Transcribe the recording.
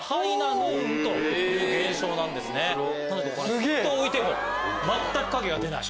水筒を置いても全く影が出ない。